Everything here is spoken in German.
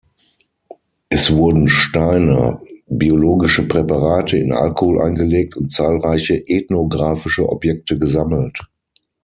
Es wurden Steine, biologische Präparate in Alkohol eingelegt und zahlreiche ethnografische Objekte gesammelt.